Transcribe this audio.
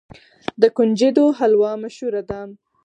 د کنجدو حلوه مشهوره ده.